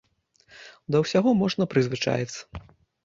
Да ўсяго можна прызвычаіцца.